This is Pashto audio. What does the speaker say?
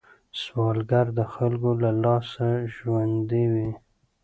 سوالګر د خلکو له لاسه ژوندی وي